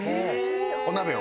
お鍋を？